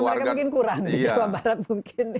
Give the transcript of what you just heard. karena mereka mungkin kurang di jawa barat mungkin